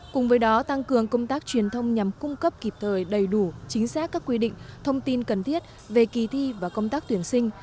cùng với đó tăng cường công tác truyền thông nhằm cung cấp kịp thời đầy đủ chính xác các quy định thông tin cần thiết về kỳ thi và công tác tuyển sinh